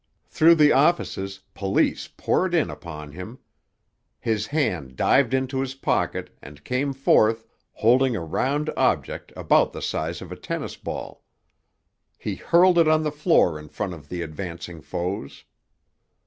Through the offices police poured in upon him. His hand dived into his pocket, and came forth, holding a round object about the size of a tennis ball. He hurled it on the floor in front of the advancing foes.